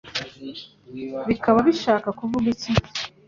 Bikaba bishaka kuvuga icyi